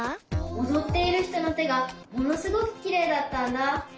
おどっているひとのてがものすごくきれいだったんだ。